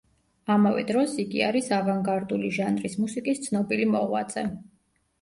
ამავე დროს იგი არის ავანგარდული ჟანრის მუსიკის ცნობილი მოღვაწე.